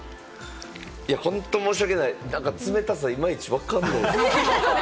いやホント申し訳ない、冷たさ、いまいち分かんないです。